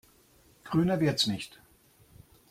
Grüner wird's nicht.